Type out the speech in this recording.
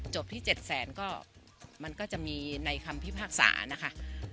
จบที่๗แสนก็มันก็จะมีในคำพิพากษานะคะ